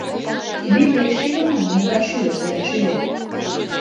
Ме пеш шижына — могай шӱлыш дене шӱлет...